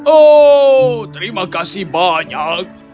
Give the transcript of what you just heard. oh terima kasih banyak